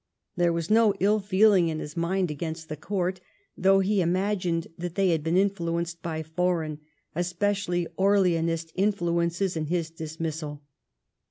There was no ill feeling in his mind against the Court, though he imagined that they had been influenced by foreign, especially Orleanist, influences in his dismissal.